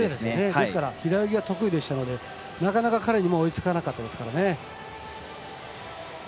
ですから平泳ぎが得意でしたのでなかなか、彼にも追いつかなかったですからね。